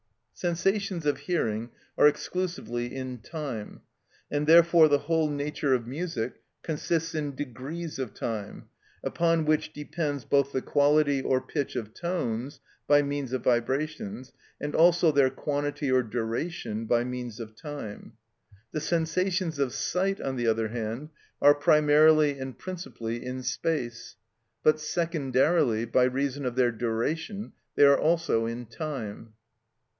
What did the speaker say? Sensations of hearing are exclusively in time, and therefore the whole nature of music consists in degrees of time, upon which depends both the quality or pitch of tones, by means of vibrations, and also their quantity or duration, by means of time. The sensations of sight, on the other hand, are primarily and principally in space; but secondarily, by reason of their duration, they are also in time.